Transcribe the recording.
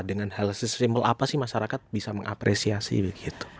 dengan hal sestimal apa sih masyarakat bisa mengapresiasi begitu